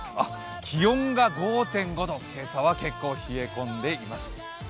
気温が５．５度、今朝は結構冷え込んでいます。